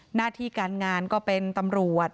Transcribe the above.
หน้าที่การงานก็เป็นตำรวจ